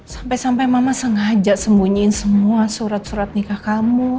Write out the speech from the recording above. sampai sampai mama sengaja sembunyiin semua surat surat nikah kamu